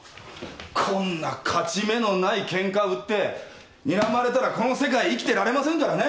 こんな勝ち目のないケンカ売ってにらまれたらこの世界生きてられませんからね。